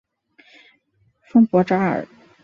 丰博扎尔。